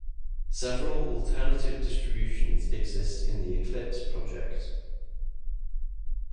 Several alternative distributions exist in the Eclipse project.